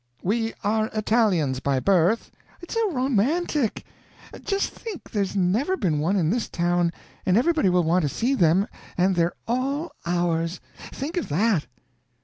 'We are Italians by birth '" "It's so romantic! Just think there's never been one in this town, and everybody will want to see them, and they're all ours! Think of that!"